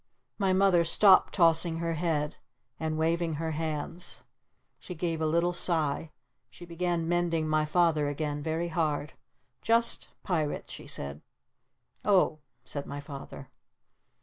My Mother stopped tossing her head. And waving her hands. She gave a little sigh. She began mending my Father again very hard. "Just pirates," she said. "O h," said my Father.